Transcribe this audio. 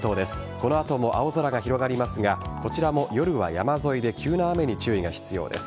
この後も青空が広がりますがこちらも夜は山沿いで急な雨に注意が必要です。